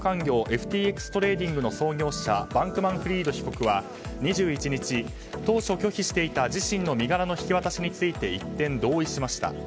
ＦＴＸトレーディングの創業者バンクマンフリード被告は２１日、当初拒否していた自身の身柄の引き渡しについて一転、同意しました。